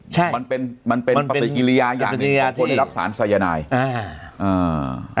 ใช่มันเป็นมันเป็นปฏิกิริยาอย่างนี้ปฏิกิริยาที่คนที่รับสารสายนายอ่า